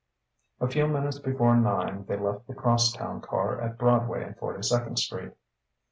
A few minutes before nine they left the cross town car at Broadway and Forty second Street.